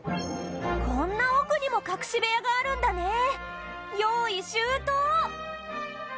こんな奥にも隠し部屋があるんだね用意周到！